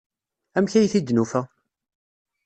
Amek ay t-id-nufa?